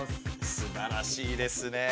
すばらしいですね。